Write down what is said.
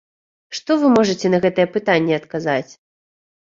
Што вы можаце на гэтае пытанне адказаць?